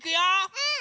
うん！